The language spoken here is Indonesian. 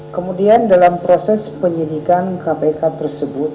kemudian dalam proses penyidikan kpk tersebut